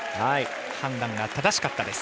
判断が正しかったです。